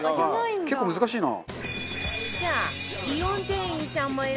結構、難しいな。